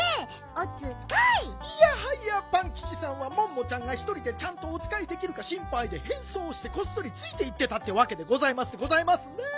いやはやパンキチさんはモンモちゃんがひとりでちゃんとおつかいできるかしんぱいでへんそうしてこっそりついていってたってわけでございますでございますね。